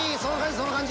その感じ！